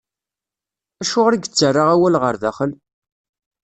Acuɣer i yettarra awal ɣer daxel?